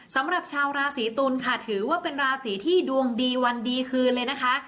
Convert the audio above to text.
สำหรับชาวราศีตุลค่ะถือว่าเป็นราศีที่ดวงดีวันดีคืนเลยนะคะ